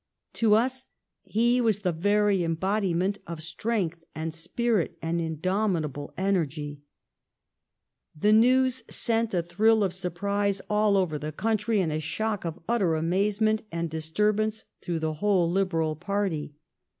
To us he was the very embodiment of strength and spirit and indomitable energy. The news sent a thrill of surprise all over the country, and a shock of utter amazement and dis turbance through the whole Liberal party.